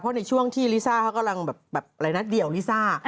ในช่วงที่ลิซ่าเขากำลังแบบอะไรนะเดี่ยวลิซ่า